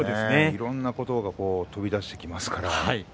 いろんなことが飛び出してきますから。